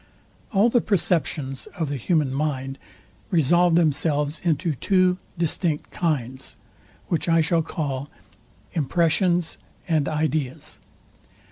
All the perceptions of the human mind resolve themselves into two distinct kinds, which I shall call IMPRESSIONS and IDEAS.